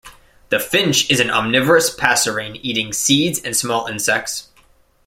The finch is an omnivorous passerine eating seeds and small insects.